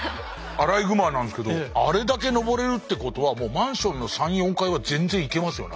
アライグマなんですけどあれだけ登れるってことはもうマンションの３・４階は全然いけますよね